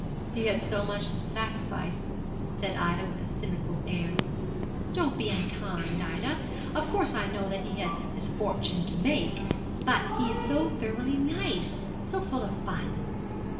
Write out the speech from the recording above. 'He had so much to sacrifice,' said Ida, with a cynical air. 'Don't be unkind, Ida. Of course I know that he has his fortune to make; but he is so thoroughly nice so full of fun.'